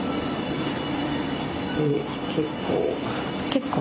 結構。